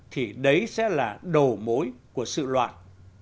thì đấy sẽ là đầu mối của sự loạn